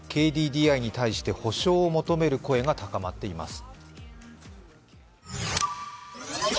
ＫＤＤＩに対して補償を求める声が高まっています。